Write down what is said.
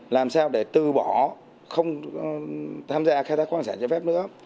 làm sao để từ bỏ không tham gia khai thác khoáng sản trái phép nữa